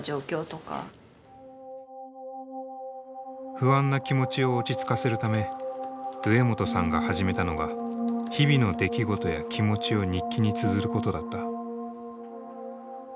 不安な気持ちを落ち着かせるため植本さんが始めたのが日々の出来事や気持ちを日記につづることだった。